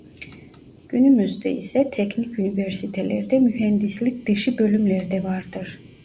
Günümüzde ise teknik üniversitelerde mühendislik dışı bölümler de vardır.